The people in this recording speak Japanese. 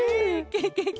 ケケケ。